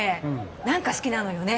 何か好きなのよね